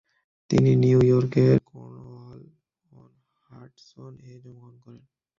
তিনি নিউ ইয়র্কের কর্নওয়াল-অন-হাডসন-এ জন্মগ্রহণ করেন।